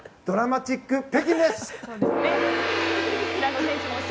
ドラマチック。